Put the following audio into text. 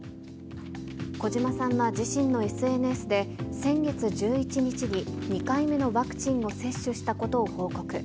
児嶋さんは自身のＳＮＳで、先月１１日に２回目のワクチンを接種したことを報告。